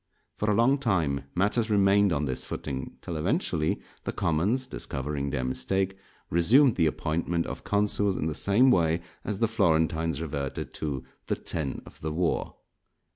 For a long time matters remained on this footing; till eventually, the commons, discovering their mistake, resumed the appointment of consuls in the same way as the Florentines reverted to "the Ten of the War."